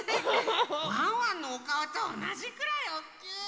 ワンワンのおかおとおなじくらいおっきい。